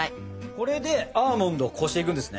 これでアーモンドをこしていくんですね？